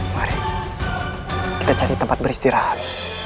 mari kita cari tempat beristirahat